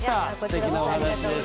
すてきなお話でした。